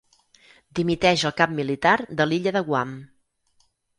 Dimiteix el cap militar de l'illa de Guam.